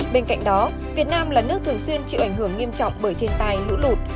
bên cạnh đó việt nam là nước thường xuyên chịu ảnh hưởng nghiêm trọng bởi thiên tai lũ lụt